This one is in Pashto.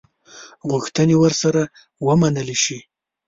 غوښتني ورسره ومنلي شي.